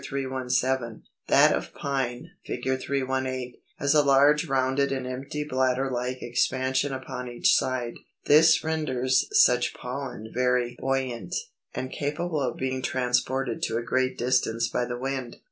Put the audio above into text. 317): that of Pine (Fig. 318) has a large rounded and empty bladder like expansion upon each side. This renders such pollen very buoyant, and capable of being transported to a great distance by the wind.